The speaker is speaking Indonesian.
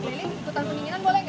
challenge nya adalah plank